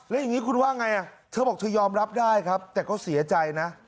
แล้วอย่างนี้คุณว่าไงเธอบอกเธอยอมรับได้ครับแต่ก็เสียใจนะ